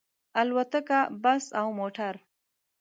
الوتکه، بس او موټر